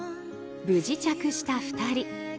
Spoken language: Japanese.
無事着した２人。